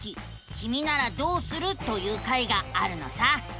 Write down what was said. キミならどうする？」という回があるのさ。